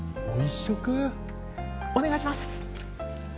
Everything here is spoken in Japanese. お願いします！